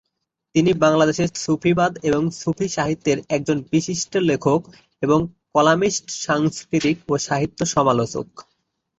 তিনি বাংলাদেশে সুফিবাদ এবং সুফি সাহিত্যের একজন বিশিষ্ট লেখক এবং কলামিস্ট, সাংস্কৃতিক ও সাহিত্য সমালোচক।